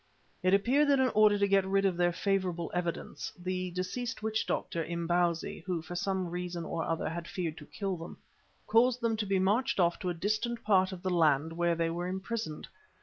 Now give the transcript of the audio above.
It appeared that in order to get rid of their favourable evidence, the deceased witch doctor, Imbozwi, who for some reason or other had feared to kill them, caused them to be marched off to a distant part of the land where they were imprisoned.